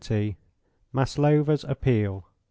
MASLOVA'S APPEAL.